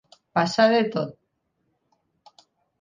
Passar de tot.